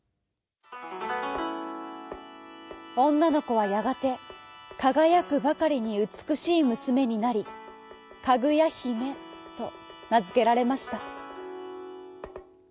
おんなのこはやがてかがやくばかりにうつくしいむすめになりかぐやひめとなづけられました。